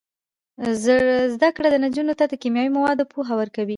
زده کړه نجونو ته د کیمیاوي موادو پوهه ورکوي.